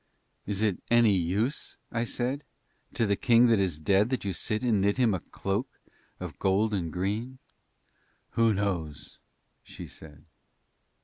"Is it any use," I said, "to the king that is dead that you sit and knit him a cloak of gold and green?" "Who knows?" she said.